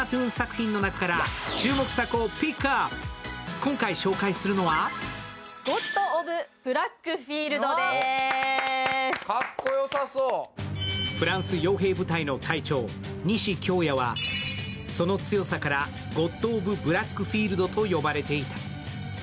今回紹介するのはフランスよう兵部隊の隊長・西恭弥はその強さからゴッドオブブラックフィールドと呼ばれていた。